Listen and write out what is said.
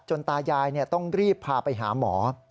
ตายายต้องรีบพาไปหาหมอ